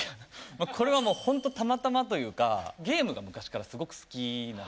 これはもうホントたまたまというかゲームが昔からすごく好きなんですよ。